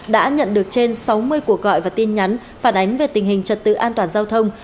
đã nhận được trên sáu mươi cuộc gọi và tin nhắn phản ánh về tình hình trật tự an toàn giao thông